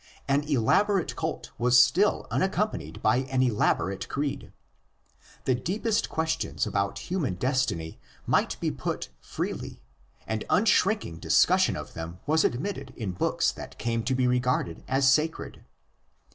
An elaborate cult was still unaccompanied by an elaborate creed. The deepest questions about human destiny might be put freely; and unshrinking dis cussion of them was admitted in books that came to be regarded as sacred.